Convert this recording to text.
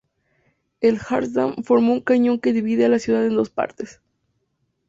El Hrazdan forma un cañón que divide a la ciudad en dos partes.